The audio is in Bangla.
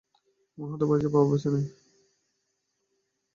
এমন হতে পারে যে বাবা বেঁচে নেই।